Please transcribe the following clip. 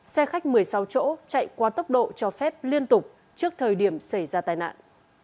xe khách một mươi sáu chỗ chạy quá tốc độ cho phép liên tục trước thời điểm xảy ra tai nạn